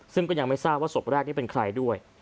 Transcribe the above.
ซึ่งก็ยังไม่ทราบว่าศพแรกนี้เป็นใครด้วย